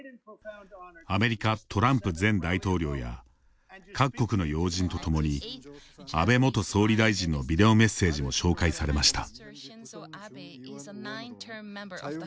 アメリカ・トランプ前大統領や各国の要人と共に安倍元総理大臣のビデオメッセージも紹介されました。